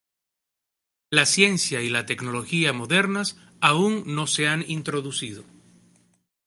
La ciencia y la tecnología modernas aún no se han introducido.